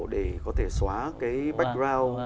để có thể xóa cái background